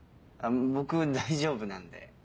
僕大丈夫なんで。